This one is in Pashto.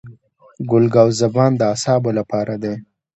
ګل ګاو زبان د اعصابو لپاره دی.